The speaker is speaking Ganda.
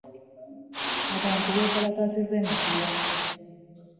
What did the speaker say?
Avantu beekalakasiza e Mityana.